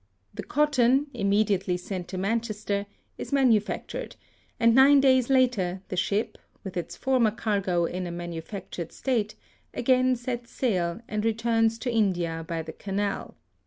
The cotton, immediately sent to Manchester, is manufactured ; and nine days later, the ship, with its former cargo in a manufac tured state, again sets sail, and returns to India by the Canal.